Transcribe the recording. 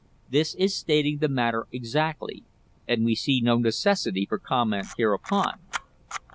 This is stating the matter exactly, and we see no necessity for comment hereupon.